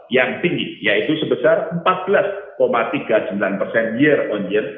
dan nilai transaksi uang elektronik tumbuh tinggi